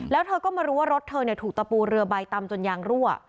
แล้วเธอก็มารู้ว่ารถเธอถูกตะปูเรือใบตำจนยางรั่ว